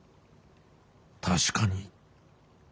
確かに。